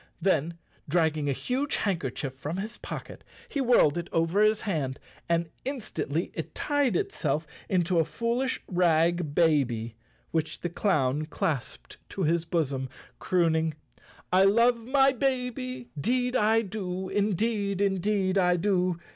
Then, dragging a huge handkerchief from his pocket, he whirled it over his hand and in Chapter Seven stantly it tied itself into a foolish rag baby, which the clown clasped to his bosom, crooning: " I love my baby, 'deed I do, Indeed, indeed I do!